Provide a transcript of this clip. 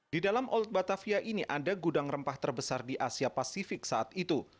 di dalam old batavia ini ada gudang rempah terbesar di asia pasifik saat itu